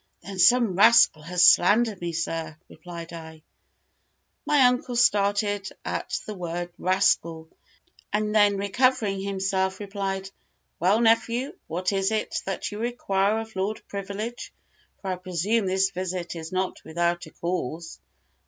"Then some rascal has slandered me, sir," replied I. My uncle started at the word rascal; and then recovering himself, replied, "Well, nephew what is it that you require of Lord Privilege, for I presume this visit is not without a cause?"